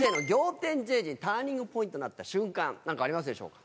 ターニングポイントになった瞬間何かありますでしょうか？